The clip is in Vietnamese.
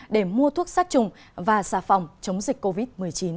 để mua thuốc sát trùng và xà phòng chống dịch covid một mươi chín